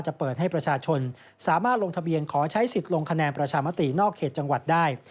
จะเปิดให้ประชาชนสามารถลงทะเบียนขอใช้สิทธิ์ลงคะแนนประชามตินอกเขตจังหวัดได้